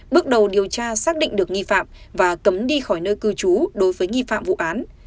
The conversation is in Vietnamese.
bước đầu điều tra xác định được nghi phạm và cấm đi khỏi nơi cư trú đối với nghi phạm vụ án